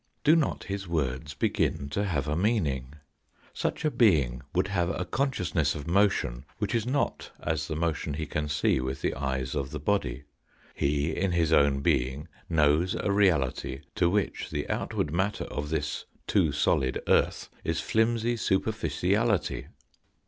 Do not his words begin to have a meaning ? Such a being would have a consciousness of motion which is not as the motion he can see with the eyes of the body. He, in his own being, knows a reality to which the outward matter of this too solid earth is flimsy superficiality.